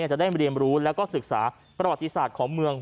จะได้เรียนรู้แล้วก็ศึกษาประวัติศาสตร์ของเมือง